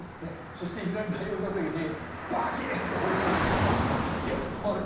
そしていきなり第４打席にバキッてホームラン打ったじゃないですか。